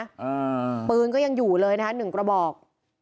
อ่าปืนก็ยังอยู่เลยนะคะหนึ่งกระบอก